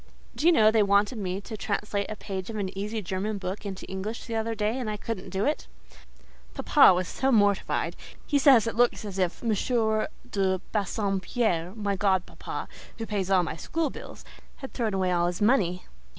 Do you know they wanted me to translate a page of an easy German book into English the other day, and I couldn't do it. Papa was so mortified: he says it looks as if M. de Bassompierre—my godpapa, who pays all my school bills—had thrown away all his money.